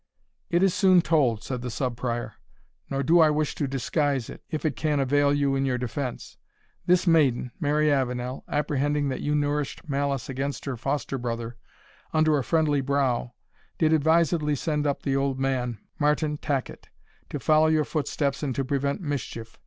"It is soon told," said the Sub Prior; "nor do I wish to disguise it, if it can avail you in your defence. This maiden, Mary Avenel, apprehending that you nourished malice against her foster brother under a friendly brow, did advisedly send up the old man, Martin Tacket, to follow your footsteps and to prevent mischief.